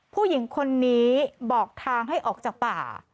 ผู้หญิงคนนี้บอกทางให้ออกจากป่า